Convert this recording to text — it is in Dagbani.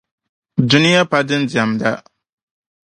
Duniya pa din diɛmda